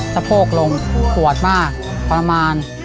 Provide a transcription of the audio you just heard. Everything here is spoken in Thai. สะโพกล้มปวดมากขอรรมาญ